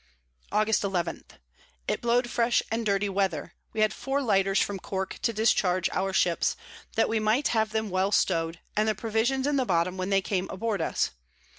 Aug. 11. It blow'd fresh and dirty Weather; we had four Lighters from Cork to discharge our Ships, that we might have them well stow'd, and the Provisions in the bottom when they came aboard us.